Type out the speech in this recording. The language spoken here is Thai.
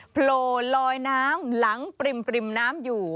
โผล่ลอยน้ำหลังปริมน้ำอยู่